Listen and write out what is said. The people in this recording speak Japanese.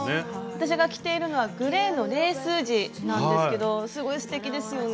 私が着ているのはグレーのレース地なんですけどすごいすてきですよね。